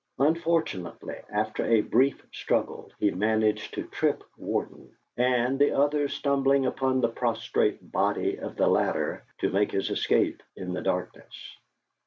Unfortunately, after a brief struggle he managed to trip Warden, and, the others stumbling upon the prostrate body of the latter, to make his escape in the darkness.